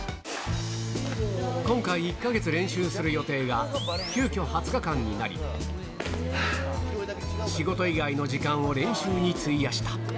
今回、１か月練習する予定が、急きょ２０日間になり、仕事以外の時間を練習に費やした。